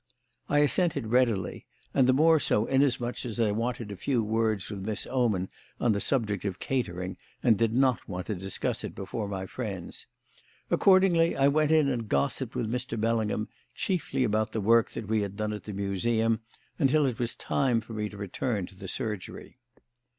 I assented readily, and the more so inasmuch as I wanted a few words with Miss Oman on the subject of catering and did not want to discuss it before my friends. Accordingly I went in and gossiped with Mr. Bellingham, chiefly about the work that we had done at the Museum, until it was time for me to return to the surgery.